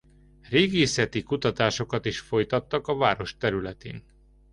Régészeti kutatásokat is folytattak a város területén.